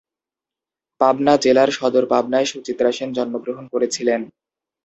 পাবনা জেলার সদর পাবনায় সুচিত্রা সেন জন্মগ্রহণ করেছিলেন।